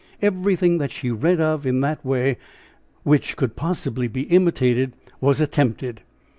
Everything that she read of in that way, which could possibly be imitated, was attempted.